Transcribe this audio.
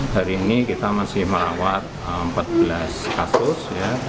hari ini kita masih merawat empat belas kasus